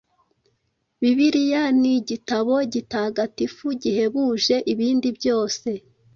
Bibiliya ni igitabo gitagatifu gihebuje ibindi byose,